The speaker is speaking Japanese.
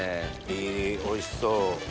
いいおいしそう。